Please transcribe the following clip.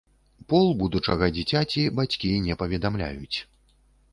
Пол будучага дзіцяці бацькі не паведамляюць.